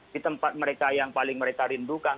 di tempat mereka yang paling mereka rindukan